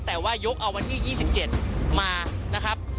แต่ว่ยกเอาวันที่๒๗มา